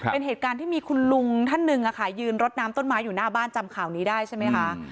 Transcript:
เป็นเหตุการณ์ที่มีคุณลุงท่านหนึ่งยืนรดน้ำต้นไม้อยู่หน้าบ้านจำข่าวนี้ได้ใช่ไหมคะ